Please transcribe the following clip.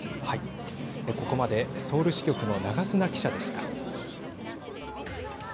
ここまでソウル支局の長砂記者でした。